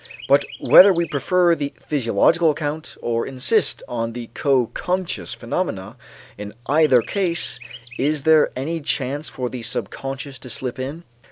But whether we prefer the physiological account or insist on the coconscious phenomena, in either case is there any chance for the subconscious to slip in?